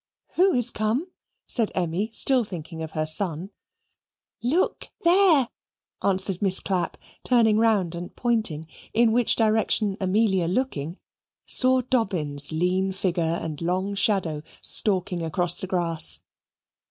"Who is come?" said Emmy, still thinking of her son. "Look there," answered Miss Clapp, turning round and pointing; in which direction Amelia looking, saw Dobbin's lean figure and long shadow stalking across the grass.